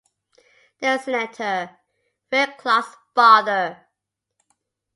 The Senator - Fred Clarke's father.